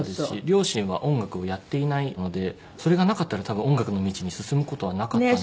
両親は音楽をやっていないのでそれがなかったら多分音楽の道に進む事はなかった。